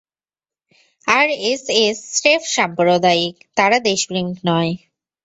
RSS স্রেফ সাম্প্রদায়িক, তারা দেশপ্রেমিক নয়।